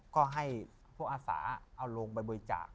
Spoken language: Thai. ก็ให้พวกอาสาเอาลงไปบริจาค